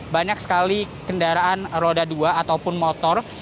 banyak sekali kendaraan roda dua ataupun motor